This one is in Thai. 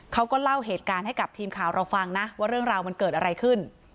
เขาก็เล่าเหตุการณ์ให้กับทีมข่าวเราฟังนะว่าเรื่องราวมันเกิดอะไรขึ้น